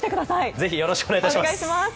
ぜひよろしくお願いいたします。